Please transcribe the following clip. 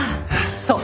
そう。